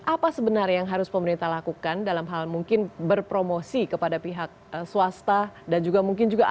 apa sebenarnya yang harus pemerintah lakukan dalam hal mungkin berpromosi kepada pihak swasta dan juga mungkin juga ada